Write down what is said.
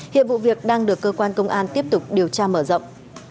hiện vụ việc đang được cơ quan công an tiếp tục điều tra mở rộng